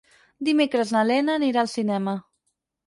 Dimecres na Lena anirà al cinema.